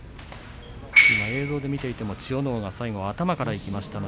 映像で見ていても千代ノ皇が最後は頭でいきました。